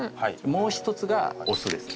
もう１つがオスです。